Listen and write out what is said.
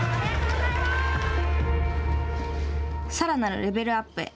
さらなるレベルアップへ。